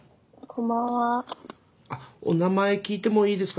あっお名前聞いてもいいですか？